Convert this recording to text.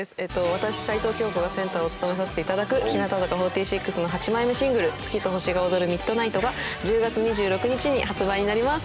私齊藤京子がセンターを務めさせて頂く日向坂４６の８枚目シングル『月と星が踊るＭｉｄｎｉｇｈｔ』が１０月２６日に発売になります。